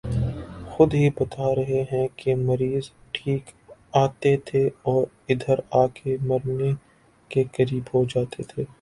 خود ہی بتا رہے ہیں کہ مریض ٹھیک آتے تھے اور ادھر آ کہ مرنے کے قریب ہو جاتے تھے